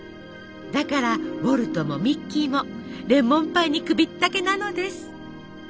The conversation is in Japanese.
だからウォルトもミッキーもレモンパイに首ったけなのです。